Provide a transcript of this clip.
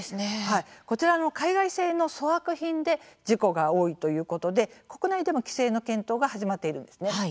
こちらの海外製の粗悪品で事故が多いということで国内でも規制の検討が始まっているんですね。